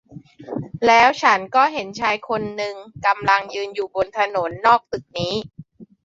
แล้วฉันก็เห็นชายคนหนึ่งกำลังยืนอยู่บนถนนนอกตึกนี้